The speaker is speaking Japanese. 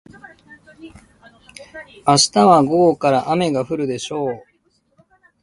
明日は午後から雨が降るでしょう。